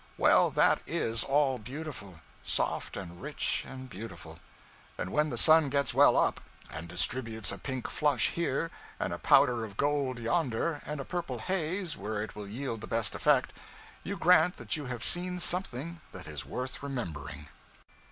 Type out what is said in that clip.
Well, that is all beautiful; soft and rich and beautiful; and when the sun gets well up, and distributes a pink flush here and a powder of gold yonder and a purple haze where it will yield the best effect, you grant that you have seen something that is worth remembering.